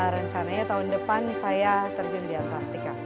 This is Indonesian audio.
rencananya tahun depan saya terjun di antartika